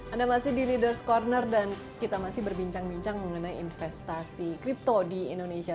ada masih di leaders' corner dan kita masih berbincang bincang mengenai investasi crypto di indonesia